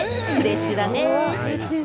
フレッシュだね。